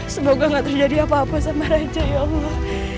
semoga gak terjadi apa apa sama raja ya allah